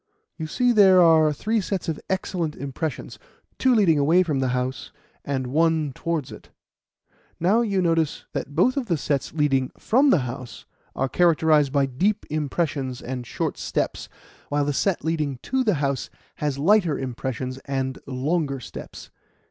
You see there are three sets of excellent impressions two leading away from the house, and one set towards it. Now, you notice that both of the sets leading from the house are characterized by deep impressions and short steps, while the set leading to the house has lighter impressions and longer steps.